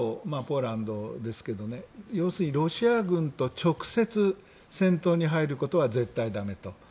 ポーランドですけど要するにロシア軍と直接戦闘に入ることは絶対だめと。